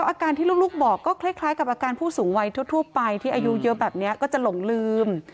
อาการที่ลูกบอกก็คล้ายกับอาการผู้สูงวัยทั่วไปที่อายุเยอะแบบนี้ก็จะหลงลืม